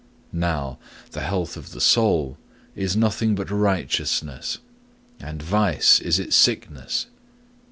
Now, the health of the soul is nothing but righteousness, and vice is its sickness.